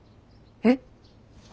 えっ！